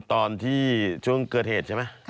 ตอนที่ช่วงเกิดเหตุใช่ไหม